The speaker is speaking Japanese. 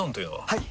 はい！